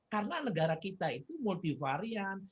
karena negara kita itu multivarian